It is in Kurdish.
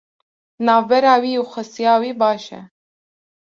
Navbera wî û xesûya wî baş e.